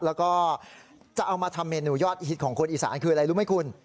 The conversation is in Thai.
แล้วก็จะเอามาทำเมนูยอดฮิตของคนอีสานคืออะไรรู้ไหมคุณ